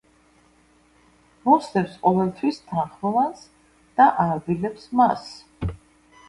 მოსდევს ყოველთვის თანხმოვანს და არბილებს მას.